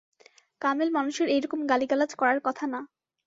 কামেল মানুষের এই রকম গালিগালাজ করার কথা না।